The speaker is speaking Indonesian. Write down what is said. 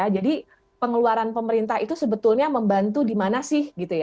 jadi pengeluaran pemerintah itu sebetulnya membantu di mana sih